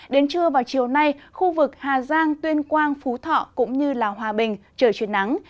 đến trưa vào chiều nay khu vực hà giang tuyên quang phú thọ cũng như hòa bình trời chuyển nắng